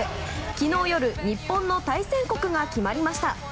昨日夜、日本の対戦国が決まりました。